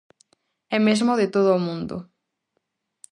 E mesmo de todo o mundo.